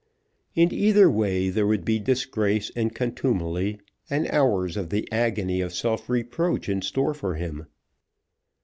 In either way there would be disgrace, and contumely, and hours of the agony of self reproach in store for him!